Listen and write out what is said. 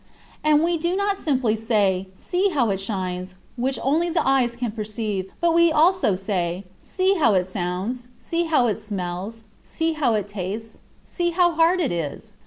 And we do not simply say, "See how it shines," which only the eyes can perceive; but we also say, "See how it sounds, see how it smells, see how it tastes, see how hard it is."